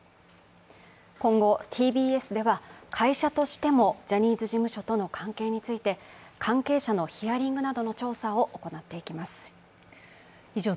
今後ＴＢＳでは、会社としても、ジャニーズ事務所との関係について関係者のヒアリングなどの調査を行っていきます。